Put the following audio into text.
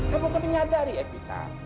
kamu kan menyadari epika